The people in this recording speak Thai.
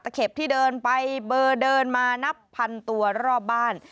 เข็บที่เดินไปเบอร์เดินมานับพันตัวรอบบ้าน